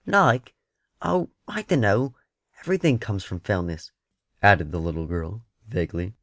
"Like? Oh, I dunno! Everything comes from Fellness," added the little girl, vaguely.